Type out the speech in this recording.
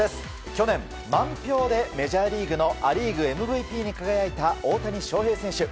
去年、満票でメジャーリーグのア・リーグＭＶＰに輝いた大谷翔平選手。